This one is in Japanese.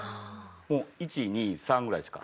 もう１２３ぐらいしか。